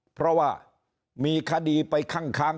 เพราะว่ามีคดีไปคั่งค้าง